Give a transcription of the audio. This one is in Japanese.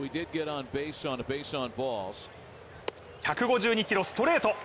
１５２キロ、ストレート。